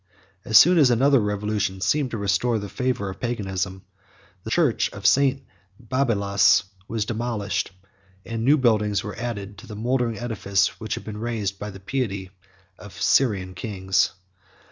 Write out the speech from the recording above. As soon as another revolution seemed to restore the fortune of Paganism, the church of St. Babylas was demolished, and new buildings were added to the mouldering edifice which had been raised by the piety of Syrian kings.